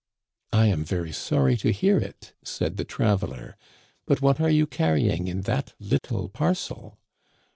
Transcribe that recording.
"* I am very sorry to hear it,' said the traveler, * but what are you carrying in that little parcel